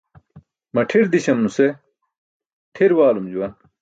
Maṭʰir dísam nusen ṭʰir waalum juwan.